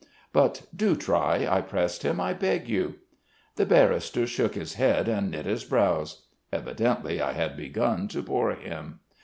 "'But do try,' I pressed him. 'I beg you.' "The barrister shook his head and knit his brows. Evidently I had begun to bore him.